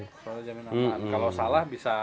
suara jamin aman kalau salah bisa